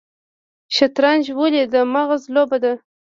شطرنج ولې د مغز لوبه ده؟